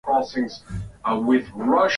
Moyo wangu una mambo mema